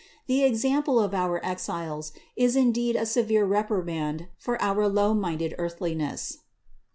The ex ample of our Exiles is indeed a severe reprimand for our low minded earthliness.